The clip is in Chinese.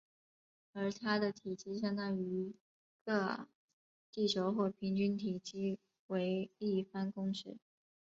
而它的体积相当于个地球或平均体积为立方公尺。